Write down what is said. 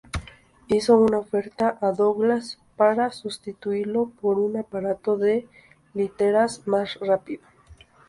Hizo una oferta a Douglas para sustituirlo por un aparato de literas más rápido.